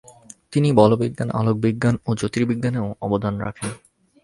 তিনি বলবিজ্ঞান, আলোকবিজ্ঞান ও জ্যোতির্বিজ্ঞানেও অবদান রাখেন।